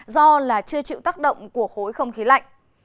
do là chưa chịu tác động của khối không khí lạnh